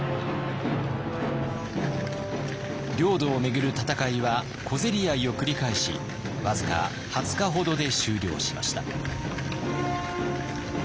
領土を巡る戦いは小競り合いを繰り返し僅か２０日ほどで終了しました。